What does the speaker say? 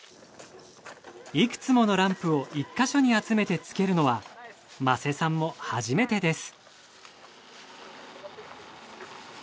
いくつものランプを１カ所に集めてつけるのは間瀬さんも初めてです。